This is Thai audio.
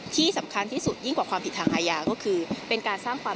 ดิฉันยินดีนะคะที่จะสู้คดี